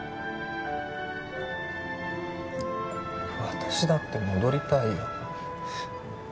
私だって戻りたいよ